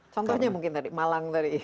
contohnya mungkin tadi malang tadi